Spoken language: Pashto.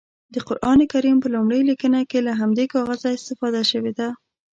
د قرانکریم په لومړنۍ لیکنه کې له همدې کاغذه استفاده شوې ده.